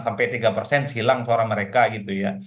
sampai tiga persen hilang suara mereka gitu ya